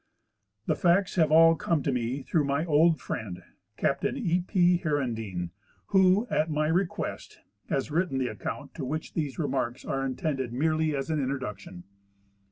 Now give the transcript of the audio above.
The facts have all come to me through my old friend Captain E. P. Herendeen, who, at ni}^ request, has written the account to which these remarks are intended merely as an introduction.